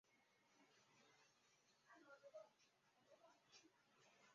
雷音寺的历史年代为明代。